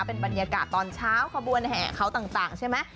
เป็นบรรยากาศตอนเช้าขบวนแห่เขาต่างใช่ไหม